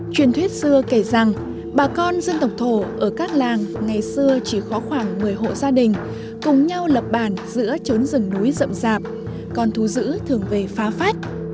truyền thuyết xưa kể rằng bà con dân tộc thổ ở các làng ngày xưa chỉ có khoảng một mươi hộ gia đình cùng nhau lập bản giữa trốn rừng núi rậm rạp con thú giữ thường về phá phách